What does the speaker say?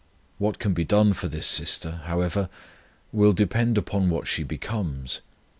What can be done for this sister, however, will depend upon what she becomes.